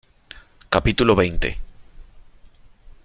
capítulo veinte .